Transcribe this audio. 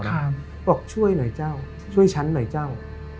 บอกช่วยหน่อยเจ้าช่วยฉันหน่อยเจ้า